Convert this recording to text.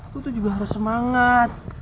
aku tuh juga harus semangat